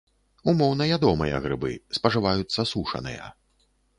Умоўна ядомыя грыбы, спажываюцца сушаныя.